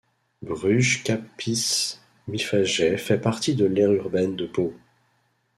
Bruges-Capbis-Mifaget fait partie de l'aire urbaine de Pau.